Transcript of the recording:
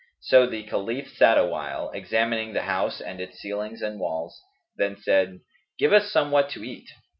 So the Caliph sat awhile, examining the house and its ceilings and walls, then said, "Give us somewhat to eat."